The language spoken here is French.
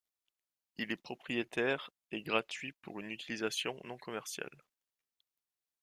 Il est propriétaire, et gratuit pour une utilisation non commerciale.